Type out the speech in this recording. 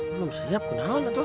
belum siap kenapa tuh